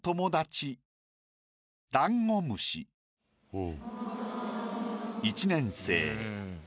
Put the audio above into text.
うん。